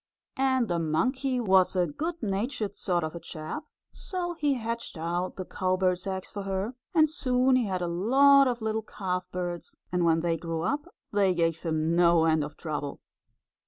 And the monkey was a good natured sort of a chap, so he hatched out the cowbird's eggs for her, and soon he had a lot of little calfbirds, and when they grew up they gave him no end of trouble.